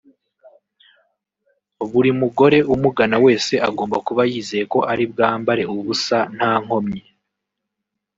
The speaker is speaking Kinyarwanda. Buri mugore umugana wese agomba kuba yizeye ko ari bwambare ubusa nta nkomyi